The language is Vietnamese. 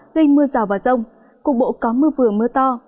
gây mưa rào và rông cục bộ có mưa vừa mưa to